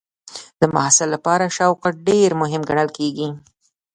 د محصل لپاره شوق ډېر مهم ګڼل کېږي.